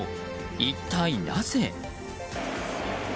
一体なぜ？